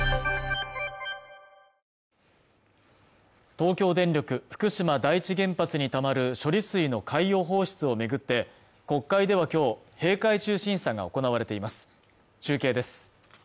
東京電力福島第１原発にたまる処理水の海洋放出を巡って国会ではきょう閉会中審査が行われています中継です